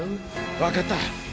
分かった。